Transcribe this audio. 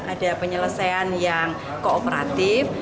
ada penyelesaian yang kooperatif